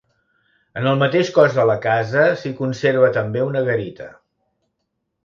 En el mateix cos de la casa s'hi conserva també una garita.